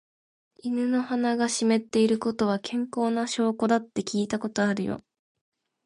犬の鼻が湿っているのは、健康な証拠だって聞いたことあるよ。